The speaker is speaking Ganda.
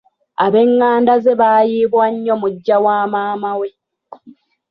Ab'enganda ze baayiibwa nnyo muggya wamaama we.